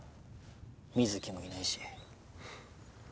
弥月もいないし。